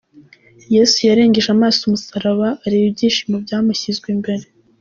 Yesu yarengeje amaso umusaraba, areba ibyishimo byamushyizwe imbere.